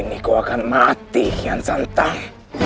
hari ini kau akan mati kian santang